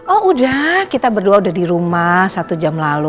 oh udah kita berdua udah di rumah satu jam lalu